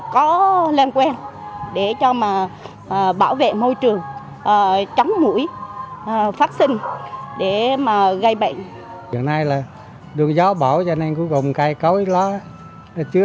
có lên quen để cho bảo vệ môi trường chống mũi phát sinh để gây bệnh